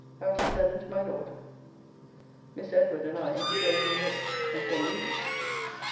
After sermon to my Lord. Mr. Edward and I into Gray's Inn walks, and saw many beauties.